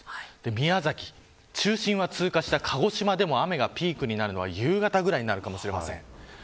宮崎、中心を通過した鹿児島でも雨のピークになるのは夕方ぐらいになるかもしれません。